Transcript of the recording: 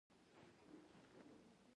تبر وویل چې ستا څانګه زما لاستی دی.